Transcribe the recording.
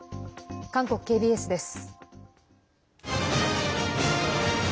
韓国ＫＢＳです。